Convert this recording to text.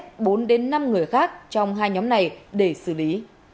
công an quận một mươi một đã truy sát bốn năm người khác trong hai nhóm này để xử lý